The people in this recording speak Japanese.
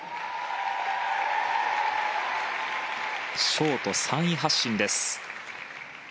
ショート３位発進です。